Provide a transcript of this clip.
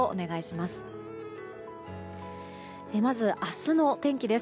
まず明日の天気です。